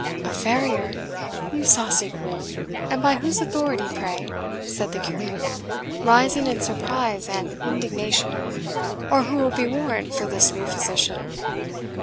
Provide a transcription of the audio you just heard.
"A farrier! you saucy groom and by whose authority, pray?" said the curate, rising in surprise and indignation; "or who will be warrant for this new physician?"